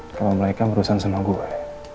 kalau mereka berurusan sama gue